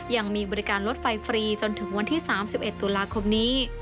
ยังมีบริการลดไฟฟรีจนถึงวันที่สามสิบเอ็ดตุลาคมนี้